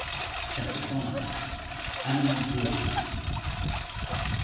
CHAPTER V. ANIMADVERSIONS.